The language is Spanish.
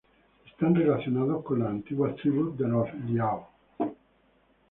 Están relacionados con las antiguas tribus de los liao.